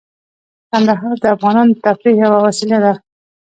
کندهار د افغانانو د تفریح یوه وسیله ده.